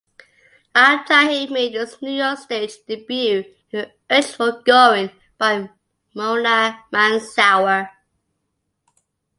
Abtahi made his New York stage debut in "Urge for Going" by Mona Mansour.